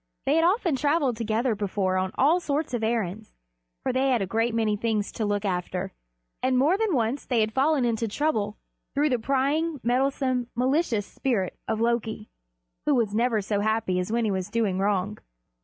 They had often traveled together before on all sorts of errands, for they had a great many things to look after, and more than once they had fallen into trouble through the prying, meddlesome, malicious spirit of Loki, who was never so happy as when he was doing wrong.